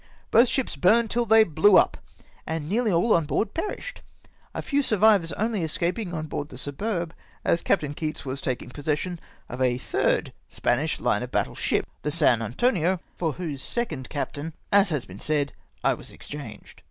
Both ships burned till they blew up, and nearly all on board perished ; a few survivors only escaping on board the Superb as Captain Keats Avas taking possession of a third Spanish hne of battle ship, the San Antonio — for whose second captain, as has been said, I was exchanged.